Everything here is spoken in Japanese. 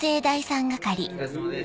お疲れさまです。